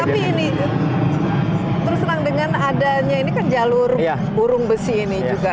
tapi ini terus terang dengan adanya ini kan jalur burung besi ini juga